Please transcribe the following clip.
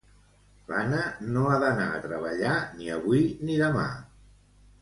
L'Anna no ha d'anar a treballar ni avui ni demà